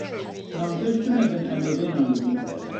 Nanpêj tune bin, em ê bê nan bimînin.